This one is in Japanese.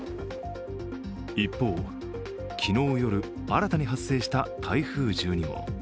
一方、昨日夜、新たに発生した台風１２号。